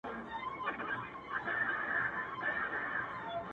ډيره مننه مهربان شاعره.